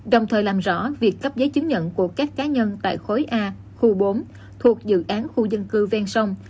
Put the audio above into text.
đồng thời làm rõ việc cấp giấy chứng nhận của các cá nhân tại khối a khu bốn thuộc dự án khu dân cư ven sông